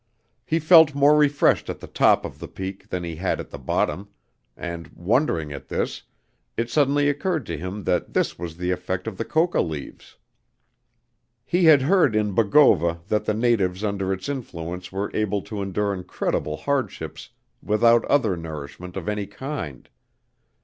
He felt more refreshed at the top of the peak than he had at the bottom and, wondering at this, it suddenly occurred to him that this was the effect of the coca leaves. He had heard in Bogova that the natives under its influence were able to endure incredible hardships without other nourishment of any kind.